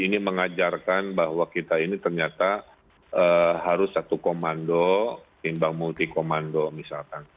ini mengajarkan bahwa kita ini ternyata harus satu komando timbang multi komando misalkan